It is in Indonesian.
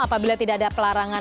apabila tidak ada pelarangan